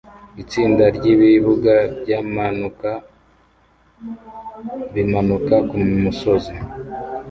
Itsinda ryibibuga byamanuka bimanuka kumusozi